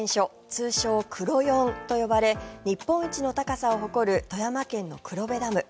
通称くろよんと呼ばれ日本一の高さを誇る富山県の黒部ダム。